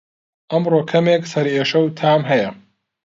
ئەمڕۆ کەمێک سەرئێشه و تام هەیە